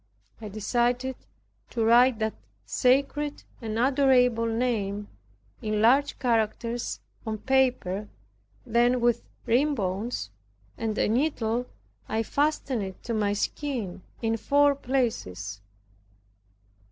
I decided to write that sacred and adorable name, in large characters, on paper, then with ribbons and a needle I fastened it to my skin in four places.